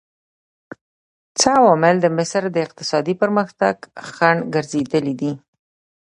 څه عوامل د مصر د اقتصادي پرمختګ خنډ ګرځېدلي دي؟